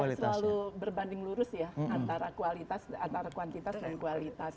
tidak selalu berbanding lurus ya antara kuantitas dan kualitas